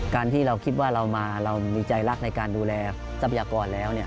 การที่เราคิดว่าเรามาเรามีใจรักในการดูแลทรัพยากรแล้ว